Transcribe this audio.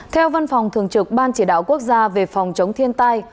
theo văn phòng thường trực ban chỉ đạo quốc gia về phòng chống thiên tai